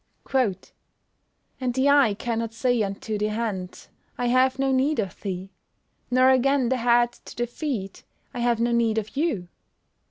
[Verse: "And the eye cannot say unto the hand, I have no need of thee; nor again the head to the feet, I have no need of you."